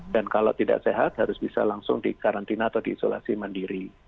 dan kalau tidak sehat harus bisa langsung dikarantina atau diisolasi mandiri